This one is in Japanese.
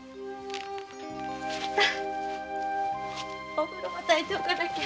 お風呂も焚いておかなきゃ。